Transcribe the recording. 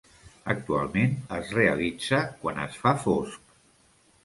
Actualment es realitza quan es fa fosc.